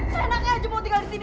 seenaknya aja mau tinggal di sini